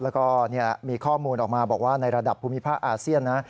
แล้วก็มีข้อมูลออกมาบอกว่าในระดับภูมิภาคอาเซียนนะ